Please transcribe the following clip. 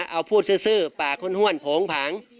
เอาพูดซื่อป่าห้วนโผงผัง